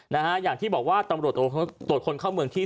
นะฮะอย่างที่บอกว่าตำรวจตรวจคนเข้าเมืองที่